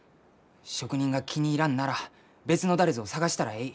職人が気に入らんなら別の誰ぞを探したらえい。